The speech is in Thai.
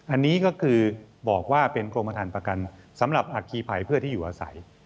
อันนี้ก็คือบอกว่าเป็นกรมฐานประกันสำหรับอัคคีภัยเพื่อที่อยู่อาศัย